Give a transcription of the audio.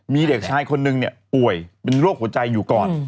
มีเด็กชายคนนึงเนี่ยป่วยเป็นโรคหัวใจอยู่ก่อน